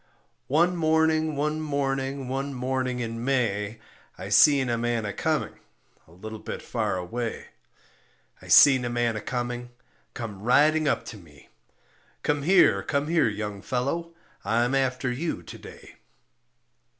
One morning, one morning, one morning in May I seen a man a coming, a little bit far away; I seen a man a coming, come riding up to me "Come here, come here, young fellow, I'm after you to day."